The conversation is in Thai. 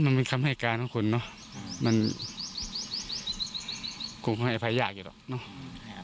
มันเป็นคำให้การของคนเนอะมันคงให้อภัยยากอยู่หรอกเนอะ